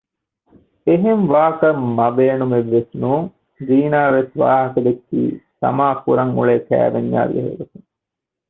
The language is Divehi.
އެހެން ވާކަށް މަ ބޭނުމެއްވެސް ނޫން ޒީނާ ވެސް ވާހަކަ ދެއްކީ ސަމާ ކުރަން އުޅޭ ކައިވެންޏާއި ބެހޭގޮތުން